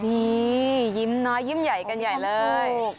นี่ยิ้มน้อยยิ้มใหญ่กันใหญ่เลย